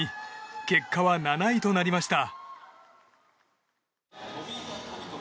結果は７位となりました。